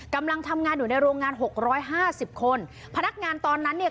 กำลังทำงานอยู่ในโรงงานหกร้อยห้าสิบคนพนักงานตอนนั้นเนี่ย